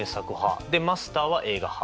マスターは映画派。